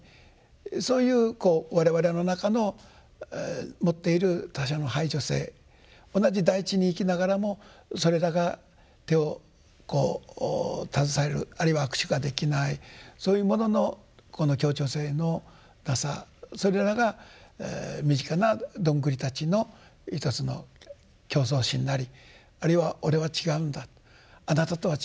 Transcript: そういう我々の中の持っている他者の排除性同じ大地に生きながらもそれらが手をこう携えるあるいは握手ができないそういうもののこの協調性のなさそれらが身近などんぐりたちの一つの競争心なりあるいは俺は違うんだあなたとは違うんだと。